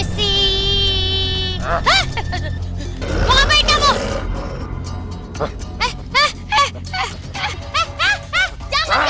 siapa ini perempuan